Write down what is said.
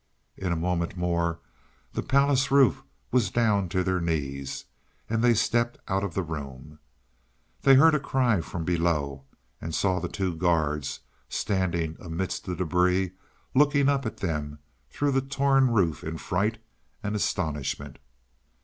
In a moment more the palace roof was down to their knees, and they stepped out of the room. They heard a cry from below and saw the two guards, standing amidst the debris, looking up at them through the torn roof in fright and astonishment.